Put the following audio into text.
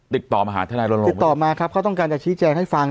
ติดต่อมาหาทนายรณรงค์ติดต่อมาครับเขาต้องการจะชี้แจงให้ฟัง